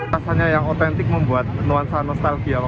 rasanya yang otentik membuat nuansa nostalgia